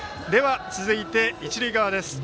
続いて、一塁側です。